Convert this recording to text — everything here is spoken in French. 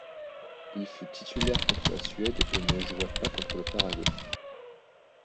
Il fut titulaire contre la Suède et ne joua pas contre le Paraguay.